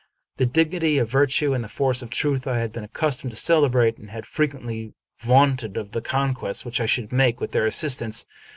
The dignity of virtue and the force of truth I had been accus tomed to celebrate, and had frequently vaunted of the con quests which I should make with their assistance.